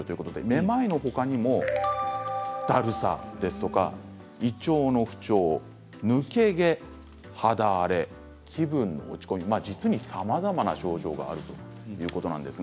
めまいのほかにも、だるさ胃腸の不調、抜け毛、肌荒れ気分の落ち込み、実にさまざまな症状があるということなんです。